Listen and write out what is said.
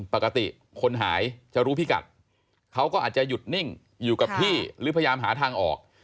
ปกติคนหายจะรู้พิกัดเขาก็อาจจะหยุดนิ่งอยู่กับที่หรือพยายามหาทางออก